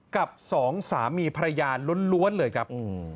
กับสองสามีภรรยาล้วนเลยครับ